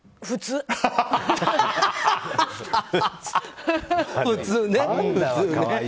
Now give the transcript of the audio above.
普通ね。